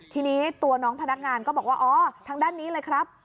ทีนี้ตัวน้องพนักงานก็บอกว่าอ๋อทางด้านนี้เลยครับ